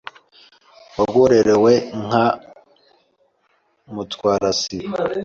wagororewe nka mutwarasibo